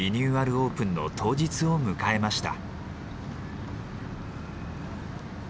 オープンの当日を迎えました。